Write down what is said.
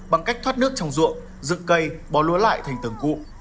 bằng cách thoát nước trong ruộng dựng cây bò lúa lại thành tưởng cụ